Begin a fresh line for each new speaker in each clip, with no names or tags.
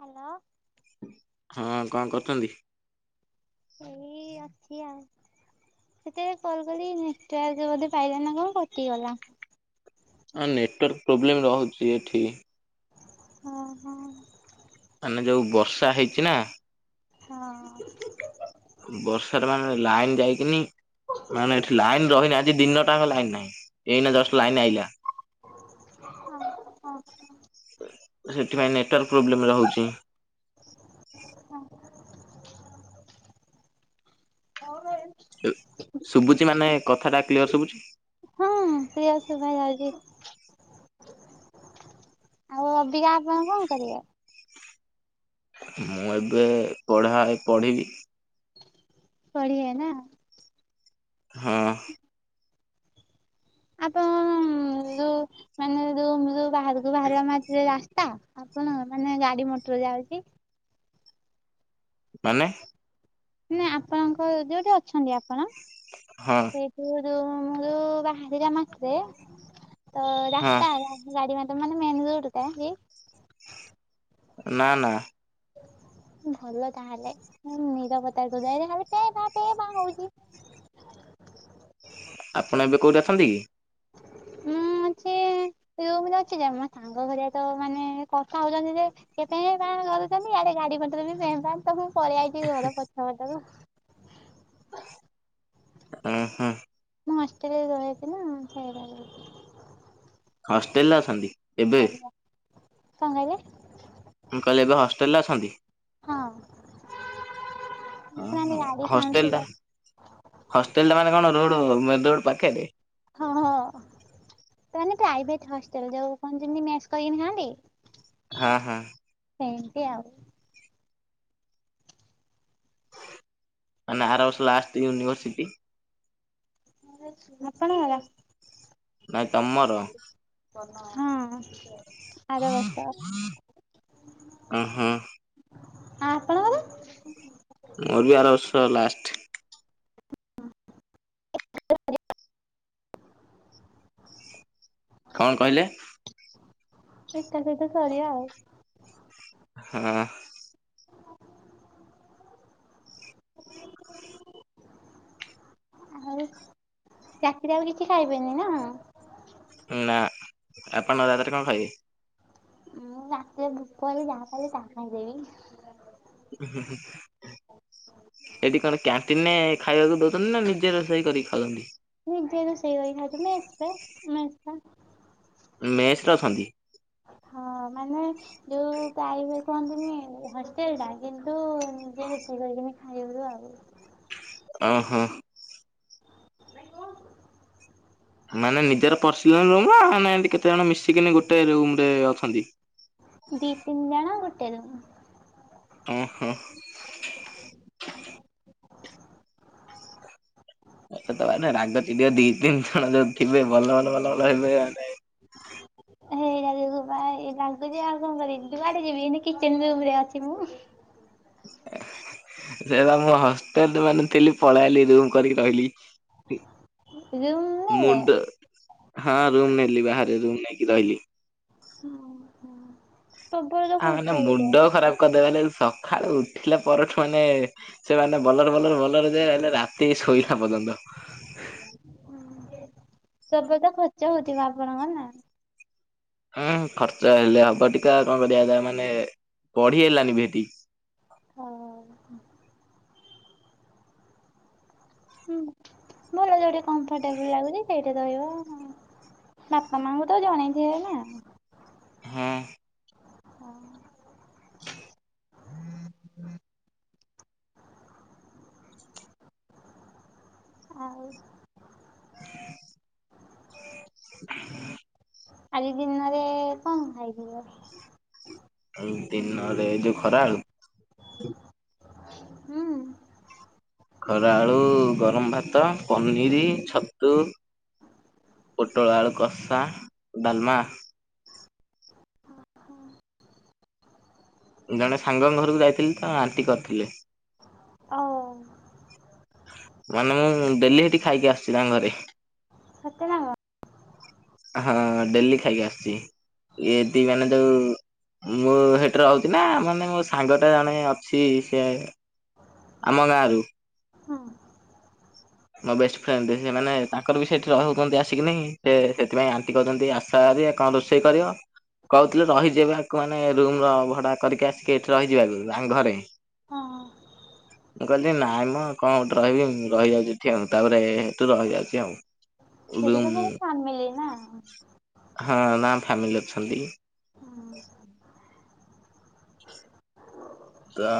Hello.
ହଁ କଣ କରୁଛନ୍ତି?
ଏଇ ଅଛି ଆଉ। ସେତବେଲେ କଲ୍ କଲି ନେଟୱାର୍କ ବୋଧେ ପାଇଲା ନା କଣ କଟିଗଲା।
ହଁ ନେଟୱାର୍କ ପ୍ରୋବ୍ଲେମ ରହୁଛି ଏଠି।
ହଁ ହଁ।
ମାନେ ଯଉ ବର୍ଷା ହେଇଛି ନା।
ହଁ।
ବର୍ଷାରେ ମାନେ ଲାଇନ୍ ଯାଇକିନି ମାନେ ଏଠି ଲାଇନ୍ ରହନି ଆଜି ଦିନଟାଙ୍କ ଲାଇନ ନାହିଁ ଏଇନା ଜଷ୍ଟ ଲାଇନ ଆଇଲା।
ହୁଁ।
ସେଥିପାଇଁ ନେଟୱାର୍କ ପ୍ରୋବ୍ଲେମ ରହୁଛି।
ହଁ। ହଁ ବେ।
ଶୁଭୁଚି ମାନେ କଥା ଟା କ୍ଲିୟର ଶୁଭୁଛି।
ହଁ ପ୍ରିୟସ ଶୁଭା ଯାଉଛି। ଆଉ ଅ ବିକା ଆପଣ କଣ କରିବେ?
ମୁଁ ଏବେ ପଢା ଏ ପଢିବି।
ପଢିବେ ନା।
ହଁ।
ଆପଣ କଣ ଯୋଉ ମାନେ ରୁମ ବାହାରକୁ ବାହାରିବା ମାତ୍ରେ ରାସ୍ତା ଆପଣ ମାନେ ଗାଡି ମଟର ଯାଉଛି।
ମାନେ।
ନା ଆପଣଙ୍କ ଯୋଉଠି ଅଛନ୍ତି ଆପଣ।
ହଁ।
ରୁମରୁ ବାହାରିଲା ମାସରେ ତ
ହଁ
ରାସ୍ତା ହେଲା ଗାଡି ମ ତେ ମାନେ ମେନ୍ ରୋଡ ଟା କି?
ନା ନା।
ଭଲ ତାହେଲେ ନିରବତାର [unintelligible] ହଉଛି।
ଆପଣ ଏବେ କୋଉଠି ଅଛନ୍ତି କି?
ମୁଁ ଅଛି ରୁମରେ ଅଛି ଯେ ସାଙ୍ଗ ଘରିଆ ତ ମାନେ କଥା ହଉଛନ୍ତି ଯେ କେ ପେଁପାଁ କରୁଛନ୍ତି ଆଡେ ଗାଡି ମଟରେ ବି ପେଁପାଁ ମୁଁ ତ ପାକେଇଆଇଛି ଘର ପଛ ପଟକୁ।
ହଁ ହୁନ
ମୁଁ ହଷ୍ଟେଲ ରେ ରଇଛି ନା ସେ
ହଷ୍ଟେଲ ରେ ଅଛନ୍ତି। ଏବେ
ଆଜ୍ଞା କଣ କହିଲେ?
ମୁଁ କହିଲେ ଏବେ ହଷ୍ଟେଲରେ ଅଛନ୍ତି।
ହଁ ଦେଖୁନା
ଓହୋ
ଗାଡ଼ି ସାଉଣ୍ଡ
ହଷ୍ଟେଲ ଟା
ଶୁଭୁ
ହଷ୍ଟେଲ ମାନେ କଣ ରୋଡ ମେନ ରୋଡ ପାଖରେ।
ହଁ ହଁ ତାନେ ପ୍ରାଇଭେଟ ହଷ୍ଟେଲ ଯୋଉ କ ଯେମିତି ମେସ୍ କରିକିନି ଖାଇନ୍ତି।
ହଁ ହଁ।
ସେମତି ଆଉ।
ଆ ଆରବ୍ରସ ଲାଷ୍ଟ ୟୁନିବର୍ସିଟି।
ଆପଣ ହେଲା। [inaudible]
ନାଇଁ ତମର।
ହଁ। ଆର ବର୍ଷ
ଅ ହଁ
ଆ ଆପଣଙ୍କର।
ମୋରବି ଆର ବର୍ଷ ଲାଷ୍ଟ। କଣ କହିଲେ
ଏକା ସହିତ ସରିିବା ଆଉ।
ହଁ।
ଚାକିରି ଆଉ କିଛି ଖାଇବେନି ନା।
ନା ଆପଣ ନ ରାତରେ କଣ ଖାଇିବେ
ମୁଁ ରାତିରେ ଭୂକ ହେଲେ ଯାହା ପାଇଲେ ତାହା ଖାଇଦେବି।
ହୁଁ ହୁଁ ହୁଁ ସେଠି କଣ କ୍ୟାଣ୍ଟିନ ରେ ଖାଇବାକୁ ଦଉଛନ୍ତି ନା ନିଜେ ରୋଷେଇ କରିକି ଖାଉଛନ୍ତି।
ନିଜେ ରୋଷେଇ କରିକି ଖାଉଛୁ ମେସପା ମେସପା।
ମେସରେ ଅଛନ୍ତି।
ହଁ ମାନେ ଯୋଉ ପାଇବେ କୁହନ୍ତିନି ହଷ୍ଟେଲ ଟା କିନ୍ତୁ ନିଜେ ରୋଷେଇ କରିକିନି ଖାଇବୁ ଆଉ।
ଓହୋ। ମାନେ ନିଜର ପର୍ସିଲ ରୁମ ନା କେତେ ଜଣ ମିଶିକି ଗୋଟେ ରୁମ ରେ ଅଛନ୍ତି।
ଦି ତିନି ଜଣ ଗୋଟେ ରୁମ୍।
ଓହୋ। ମତେ ତ ମାନେ ରାଗ ଚିଡ଼ିବ ଦି ତିନ ଜଣ ଯୋଉ ଥିବେ ବଲ ବଲ ବଲ ହେବେ ମାନେ
ହେଇ ରାଜକୁୁ ବା ଲାଗୁଛି ଆଉ କଣ କରିବି ଦୁଆଡେ ଯିବି କିଚେନ ରୁମରେ ଅଛି ମୁଁ।
ସେଟା ମୁଁ ହଷ୍ଟେଲ ମାନ ଥିଲି ପଳେଇଲି ରୁମ କରିକି ରହିଲି
ରୁମ୍ ନେଲେ
ମୁଣ୍ଡ ହଁ ରୁମ ନେଲିି ବାହାରେ ରୁମ ନେଇକି ରହିଲି।
ଓ ହ ପ୍ରବଳ ତ ଖର୍ଚ୍ଚ ହଉଥବ।
କଦ ସକାଳୁ ଉଠିଲା ପରଠୁ ମାନେ ସେମାନେ ବଲର ବଲର ବଲର ଯେ ହେଲେ ରାତି ଶୋଇନଲା ପର୍ଯ୍ୟନ୍ତ।
ପ୍ରବ ତ ଖର୍ଚ୍ଚ ହଉଥିବ ଆପଣଙ୍କର ନା।
ହଁ ଖର୍ଚ୍ଚ ହେଲେ ହବ ଟିକା କଣ କରିବା ଯ ମାନେ ପଢି ହେଲାନି ଭି ସେଠି।
ହ। ହୁଁ ଭଲ ଯୋଉଟେ କମ୍ଫର୍ଟେବୁଲ ଲାଗୁଛି ସେଇଟା ରହିବ ବାପା ମାଙ୍କୁ ତ ଜଣେଇଥିବେ ନା।
ହୂଂ
ହଁ।
ହଁ
ହୁଁ ହ ଆଉ ଆଜି ଦିନରେ କଣ ଖାଇଥିବ?
ଏଇ ଦିନରେ ଯୋଉ ଖରାଆଳୁ?
ହୁଁ।
ଖରାଆଳୁ ଗରମ ଭାତ, ପନିରି, ଛତୁ ପୋଟଳ ଆଳୁ କଷା, ଡାଲମା। ଜଣେ ସାଙ୍ଗଙ୍କ ଘରକୁ ଯାଇଥିଲି ତ ଆଣ୍ଟି କରିଥିଲେ।
ଅଉ।
ମାନେ ମୁଁ ଡେଲି ସେଇଠି ଖାଇକି ଆସୁଛି ତାଙ୍କ ଘରେ।
ସତେ ନା କଣ?
ହଁ ଡେଲି ଖାଇକି ଆସିଛି। ଏଠି ମାନେ ଯୋଉ ମୁଁ ସେଠି ରହୁଛି ନା, ମାନେ ମୋ ସାଙ୍ଗଟା ଜଣେ ଅଛି ସିଏ ଆମ ଗାଁରୁ
ହଁ।
ମୋ ବେଷ୍ଟ ଫ୍ରେଣ୍ଡ ସେମାନେ ତାଙ୍କର ବି ସେଠି ରହୁଛନ୍ତି ଆସିକିନି, ସେ ସେଥିପାଇଁ ଆଣ୍ଟି କହୁଛନ୍ତି ଆସ୍ ସାରିଆ କଣ ରୋଷେଇ କରିବ। କହୁଥିଲେ ରହିଯିବାକୁ ମାନେ ରୁମର ଭଡା କରିକି ଆସିକି ଏଠି ରହିଯିବାକୁ, ତାଙ୍କ ଘରେ
ହଁ ହଁ।
ମୁଁ କହିଲି ନାଇଁ ମ କଣ ଗୋଟେ ରହିବି, ମୁଁ ରହିଯାଉଛି ଠିଆ ହଉଛି ତାପରେ ସେଠୁ ରହିଯାଉଛି ଆଉ।
ସେ ତ
ରୁମ
ତାଙ୍କର ଫ୍ୟାମିଲି ନା?
ହଁ, ନା ଫ୍ୟାମିଲି ଅଛନ୍ତି।
ହୁଁ।
ତ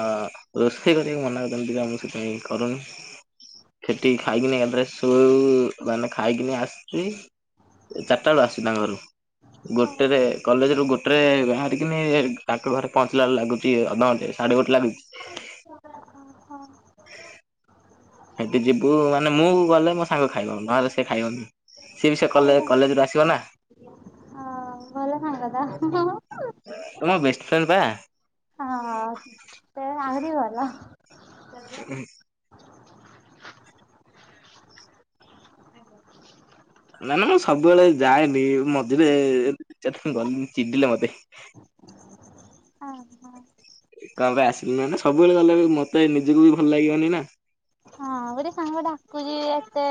ରୋଷେଇ କରିବାକୁ ମନା କରିଛନ୍ତି ବା ମୁଁ ସେଥିପାଇଁ କରୁନି। ସେଠିକ ଖାଇକିନି ୟାପରେ ଶୋଇବୁ ମାନେ ଖାଇକିନି ଆସିଛି। ଚାରିଟା ବେଳୁ ଆସୁ ତାଙ୍କ ଘରୁ।
ହଁ
ଗୋଟେରେ କଲେଜରୁ ଗୋଟେ ରେ ବାହାରିକିନି ତାଙ୍କ ଘରେ ପହଞ୍ଚିଲା ବେଳକୁ ଲାଗୁଛି, ଅଧଘଣ୍ଟେ ସାଢ଼େ ଗୋଟେ ଲାଗୁଛି।
ହଁ।
ହ ସେଠି ଯିବୁ ମାନେ ମୁଁ ଗଲେ ମୋ ସାଙ୍ଗ ଖାଇବ, ନହେଲେ ସିଏ ଖାଇବନି। ସିଏ ବି ସେ କଲେ କଲେଜରୁ ଆସିବ ନା।
ଭଲ ସାଙ୍ଗ ତାହେଲେ। ହୁଁ ହୁଁ ହୁଁ।
ମୋ ବେଷ୍ଟ ଫ୍ରେଣ୍ଡ ବା।
ହଉ, ତାମାନେ ଆହୁରି ଭଲ।
ହ ହଁ ନାଁ ନାଁ ମୁଁ ସବୁବେଳେ ଯାଏନି, ମଝିରେ ଦି ଚାରି ଦିନ ଗଲିନି ଚିଡିଲେ ମତେ।
ହଁ ହଁ।
କ ପାଇଁ ଆସିଲୁନି? ସବୁବେଳେ ଗଲେ ମତେ ନିଜକୁ ବି ଭଲ ଲାଗିବନି ନା।
ହଁ ଗୋଟେ ସାଙ୍ଗ ଡାକୁଛି ଏତେ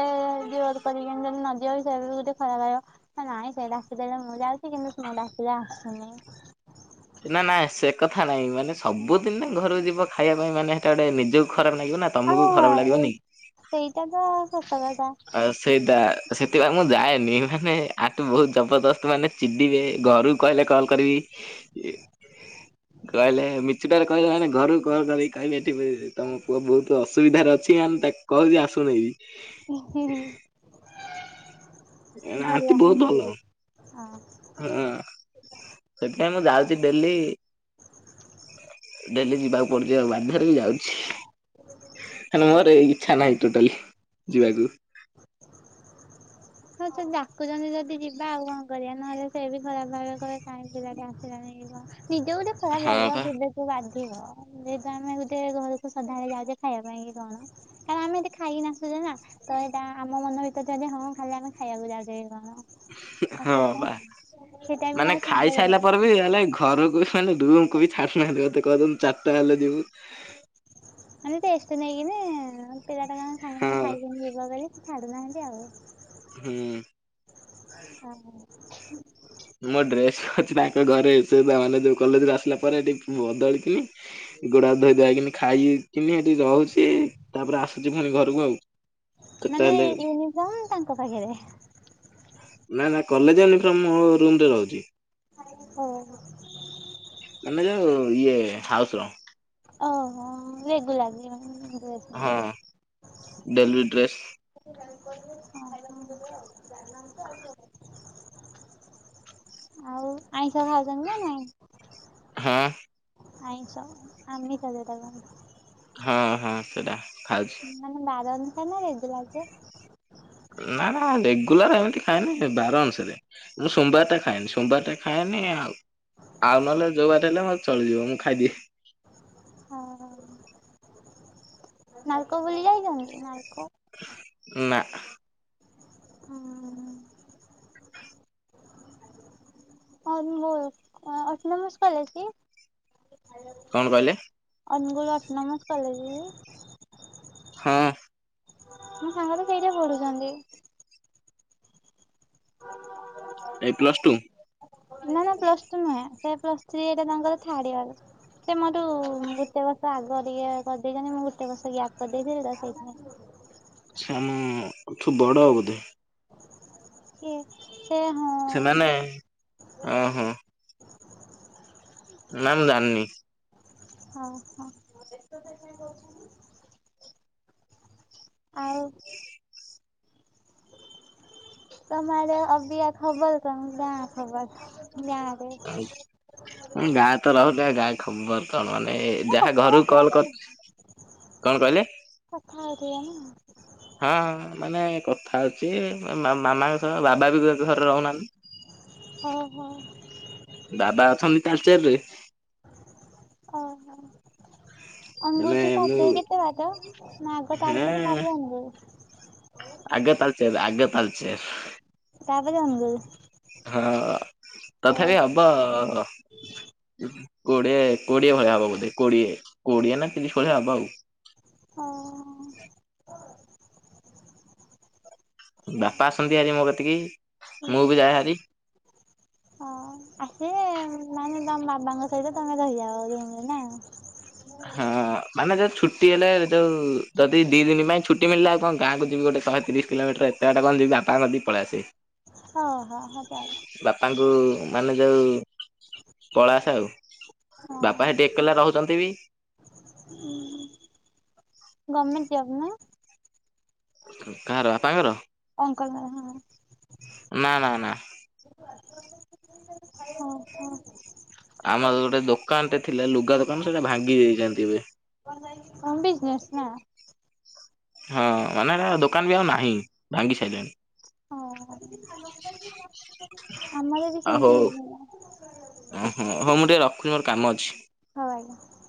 ଜୋର କରିକିନି ଯଦି ନ ଯିବ, ସିଏ ବି ଗୋଟେ ଖରାପ ଭାବିବ। ନାଇଁ ସେଇ ଡାକିଦେଲେ ମୁଁ ଯାଉଛି କିନ୍ତୁ ମୁଁ ଡାକିଲେ ଆସୁନି।
ନା ନା ସେ କଥା ନାହିଁ। ମାନେ ସବୁଦିନେ ଘରକୁ ଯିବ ଖାଇବା ପାଇଁ ମାନେ ସେଟା ଗୋଟେ ନିଜକୁ ଖରାପ ନାଗିବ ନା।
ଆଉ
ତମକୁ ଖରାପ
ହଁ ଏଇ
ଲାଗିବନି?
ସେଇଟା ତ ସତ କଥା।
ଆ ସେଇଟା, ସେଥିପାଇଁ ମୁଁ ଯାଏନି ମାନେ ଆଠୁ ବହୁତ ଜବରଦସ୍ତ ମାନେ ଚିଡିବେ, ଘରୁ କହିଲେ କଲ୍ କରିବି କହିଲେ, ମିଛୁଟାରେ କହିଲେ ମାନେ ଘରୁକୁ କଲ କରି କହିବେ, ଏଠି ତମ ପୁଅ ବହୁତ ଅସୁବିଧାରେ ଅଛି ମାନେ ତାକୁ କହୁଛିି ଆସୁନି।
ହୁଁ ହୁଁ। ଭଲ
ବହୁତ
ଆଣ୍ଟି
ଭଲ
ହଁ।
ହଁ ଦେଖିଆ ମୁଁ ଯାଉଚି ଡେଲି ଡେଲି ଯିବାକୁ ପଡୁଚି ଆଉ ବାଧ୍ୟରେ ବି ଯାଉଛି। ହେଲେ ମୋର ଇଚ୍ଛା ନାହିଁ ଟୋଟାଲି ଯିବାକୁ।
ହଉ ଜଦି ଡାକୁଛନ୍ତି ଯଦି ଯିବା ଆଉ କଣ କରିବା ନହେଲେ ସେ ବି ଖରାପ ଭାବିବେ କହିବେ କାହିଁକି ପିଲାଟା ଆସିଲାନିକି କଣ। ନିଜେକୁ ତ ଖରାପ
ହଁ
ଲାଗିବ
ବା
ବି ତାଙ୍କୁ ବାଧିବ ଯେହେତୁ ଆମେ ଗୁଟେ ଘରକୁ ସଦାବେଳେ ଯାଉଛେ ଖାଇବା ପାଇଁ କି କଣ। କାରଣ ଆମେ ଏତେ ଖାଇକିନା ଆସୁଚେ ନା ତ ଏଇଟା ଆମ ମନ ଭିତରେଥାଏ ହଁ ଖାଲି ଆମେ ଖାଇବାକୁ ଯାଉଥେବେ କଣ। ଆଉ
ହଁ
ସେଥିପାଇଁ
ବା
ସେ ଟାଇମରେ
ମାନେ
ଆଉ ସାଙ୍ଗ
ଖାଇସାଇଲା
କଥା
ପରେ ବି ହେଲେ ଘରକୁ ବି ମାନେ ରୁମକୁ ବି ଛାଡୁନାହାନ୍ତି ମୋତେ କହୁଚନ୍ତି ଚାରଟା ହେଲେ ଯିବୁ।
ମାନେ ରେଷ୍ଟ ନେଇକିନି ପିଲାଟା କଣ ସାଙ୍ଗେ ସାଙ୍ଗେ
ହଁ
ଖାଇକି ଯିବ ବୋଲି ଛାଡୁନାହାନ୍ତି ଆଉ।
ହୁଁ।
ହଁ [inaudible]
ମୋ ଡ୍ରେସ ଅଛି ତାଙ୍କ ଘରେ ସେ ତା ମାନେ ଯୋଉ କଲେଜରୁ ଆସିଲା ପରେ ହେଠି ବଦଳିଥିବି ଗୁଡ ହାତ ଧୋଇ ଧୁଆ ହେଇକିନି ଖାଇକିନି ହେଠି ରହୁଚି। ତାପରେ ଆସୁଛି ପୁଣୀ ଘରକୁ ଆଉ। କେତେ
ମାନେ
ହେଲେ
ୟୁନିଫର୍ମ ତାଙ୍କ ପାଖେରେ।
ନାଇଁ ନାଇଁ କଲେଜ ୟୁନିଫର୍ମ ମୋ ରୁମ ରେ ରହୁଚି।
ଓ। [inaudible]
ମାନେ ଜଉ ଇଏ ହାଉସର।
ଓଃ ହ ରେଗୁଲାର [inaudible] ଡ୍ରେସ।
ହଁ ଡେ଼ଲିୟୁଜ ଡ୍ରେସ୍।
[inaudible] ଆଉ ଆଇଁଷ ଖାଉଛନ୍ତି ନା ନାଇଁ?
ହଁ।
ଆଇଁଷ ଆମିଷ ଜଉଟା କହନ୍ତି।
ହଁ ହଁ ସେଇଟା ଖାଉଚି।
ମାନେ ବାର ଅନୁସାରେ ନା ରେଗୁଲାର ଯେ
ନା ନା ରେଗୁଲାର ହେମିତି ଖାଏନି, ବାର ଅନୁସାରେ। ମୁଁ ସୋମବାରଟା ଖାଏନି, ସୋମବାର ଟା ଖାଏନି ଆଉ ଆଉ ନହେଲେ ଯୋଉ ବାରେ ହେଲେ ମୋର ଚଳିଯିବ ମୁଁ ଖାଇଦିଏ।
ହଁ। ନାଲକୋ ବୁଲି ଯାଇଛନ୍ତି ନାଲକୋ।
ନା।
ହୁଁ ଉଁ। ଅନୁଗୁଳ ଅଟୋନମସ୍ କଲେଜ୍ କି?
କଣ କହିଲେ
ଅନଗୁଳ ଅଟନୋମସ କଲେଜ କି?
ହଁ।
ମୋ ସାଙ୍ଗତ ସେଇଠେ ପଢୁଛନ୍ତି। [inaudible]
ଏଇ ପ୍ଲସ ଟୁ।
ନା ନା ପ୍ଲସ ଟୁ ନୁହେଁ, ସେ ପ୍ଲସ ଥ୍ରୀ ଏଇଟା ତାଙ୍କର ଥାର୍ଡଇଅର୍। ସେ ମୋଠୁ ଗୁଟେ ବର୍ଷ ଆଗ ଟିକେ କରିଦେଇଛନ୍ତି, ମୁଁ ଗୁଟେ ବର୍ଷ ଗ୍ୟାପ୍ କରିଦେଇଥିଲି ତ ସେଇଥିପାଇଁ
ଆଛା ଅମ୍ ତମଠୁ ବଡ ବୋଧେ।
କିଏ ସେ ହଁ?
ସେମାନେ ଅ ହ। ନା ମୁଁ ଯାଣିନି।
ହଁ ହଁ। ଆଉ। ତମ ଆଡେ ଅବିଆ ଖବର କଣ? ଗାଁ ଖବର ଗାଁ
ଆମ ଗାଁ ତର ଗାଇ ଖବର ତ କଣ? ମାନେ
ମୁଁ
ଯାହା
କଥା
ଘରୁକୁ
ହଉଚି
କଲ୍
ଅଧା ନା
କରି, କଣ କହିଲେ?
କଥା ହେଇଥିବେ ନା।
ହଁ ମାନେ କଥା ହଉଛି, ମାମାଙ୍କ ସହ ବାବା ବି ଘରେ ରହୁନାହାନ୍ତି।
ଓ ହ।
ବାବା ଅଛନ୍ତି ତାଲଚେରରେ।
ଅ ହ। ଅନଗୁଳ
ମାନେ
ତୁ ତାଳଚେର
ମୁଁ
କେତେ ବାଟ, ନା ଆଗ ତାଳଚେର ତାପରେ ଅନଗୁଲ।
ଆଗେ ତାଲଚେର ଆଗେ ତାଲଚେର।
ତା ପରେ ଅନଗୁଳ।
ହଁ ତଥାପି ବି ହବ। କୋଡିଏ କୋଡିଏ ଭଳିଆ ହବ ବୋଧେ କୋଡିଏ କୋଡିଏ ନା ତିରିଶ ଭଳିଆ ହବ ଆଉ।
ହଁ। [inaudible]
ବାପା ଆସନ୍ତି ହାରି ମୋ କତିକି, ମୁଁ ବି ଯାଏ ହାରି।
ଆସେ ମାନେ ତମ ମାମାଙ୍କ ସହିତ ତମେ ରହିଯାଅ ରୁମରେ ନା
ହଁ ମାନେ ଯୋଉ ଛୁଟି ହେଲେ, ଯୋଉ ଯଦି ଦି ଦିନ ପାଇଁ ଛୁଟି ମିଳିଲା ଆଉ କଣ ଗାଁକୁ ଯିବି ଗୋଟେ ଶହେ ତିରିଶ କିଲୋମିଟର ଏତେଟା କଣ ଯିବି, ବାପାକତିକି ପଳେଇ ଆସେ।
ହଁ ହଁ ହଉ ତାଏଲେ।
ବାପାଙ୍କୁ ମାନେ ଯେଉ କଳାସ ଆଉ ବାପା ସେଠି ଏକଲା ରହୁଛନ୍ତି ବି।
ହୁଁ ହୁଁ। ଗମେଣ୍ଟ ଜବ୍ ନା?
କାହାର ବାପାଙ୍କର?
ଅଙ୍କଲଙ୍କ ହଁ।
ନା-ନା-ନା।
ହଁ ହଁ।
ଆମ ଗୋଟେ ଦୋକାନଟେ ଥିଲା ଲୁଗା ଦୋକାନ ସେଇଟା ଭାଙ୍ଗି ଦେଇଚନ୍ତି ଏବେ।
ହଁ ବିଜିନେସ ନା।
ହଁ ମାନେ ଦୋକାନ ବି ଆଉ ନାହିଁ ଭାଙ୍ଗି ସାଇଲାଣି।
ହଁ ଆମର ବି ସେମିତି ହେଇଗଲା।
ଉହୁଁ ହଁ ମୁଁ ଟିକେ ରଖୁଛି ମୋର କାମ ଅଛି।
ହଉ ଆଜ୍ଞା।